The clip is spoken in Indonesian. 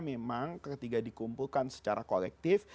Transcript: memang ketika dikumpulkan secara kolektif